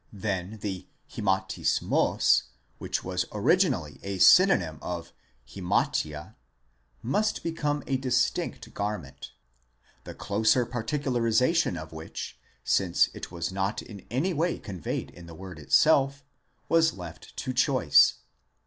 Then the ἱματισμὸς (#13?) which was originally a synonyme of ἱμάτια (8733) must become a distinct garment, the closer particularization of which, since it was not in any way conveyed in the word itself, was left to choice.